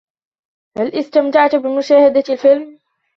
هل استمتعت بمشاهدة الفلم ؟